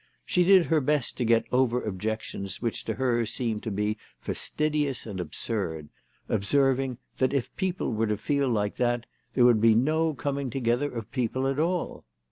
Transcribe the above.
She did her best to get over objections which to her seemed to be fastidious and absurd, observing, " that if people were to feel like that there would be no coming together of people at all."